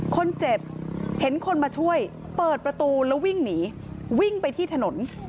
คนเจ็บเห็นคนมาช่วยเปิดประตูแล้ววิ่งหนีวิ่งไปที่ถนน